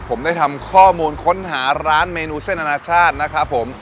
ผมได้ทำข้อมูลค้นหาร้านเมนูเส้นอนาชาตินะครับผม